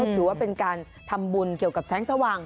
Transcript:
ถือว่าเป็นการทำบุญเกี่ยวกับแสงสว่าง